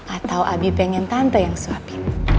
atau abi pengen tante yang suapin